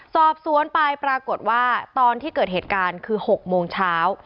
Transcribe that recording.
สอบสวนไปปรากฏว่าตอนที่เกิดเหตุการณ์คือ๖โมงเช้า